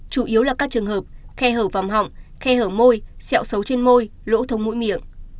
chủ yếu là các trường hợp khe hở vòng họng khe hở môi sẹo xấu trên môi lỗ thông mũi miệng